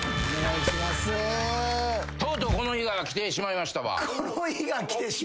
とうとうこの日が来てしまいましたわ。